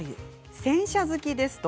洗車好きです。